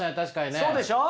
そうでしょう？